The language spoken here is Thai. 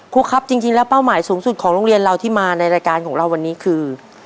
ครูครับป้าวหมายสูงสุดของโรงเรียนเราที่มานะราการของเราวันนี้คือ